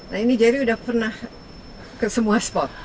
nah ini jerry sudah pernah ke semua spot